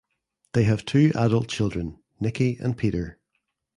They have two adult children (Nikki and Peter).